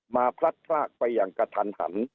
มาพลัดพลากไปอย่างกระถัน